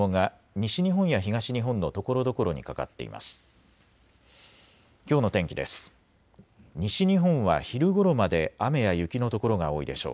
西日本は昼ごろまで雨や雪の所が多いでしょう。